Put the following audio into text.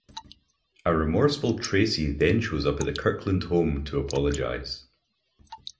A remorseful Tracy then shows up at the Kirkland home to apologize.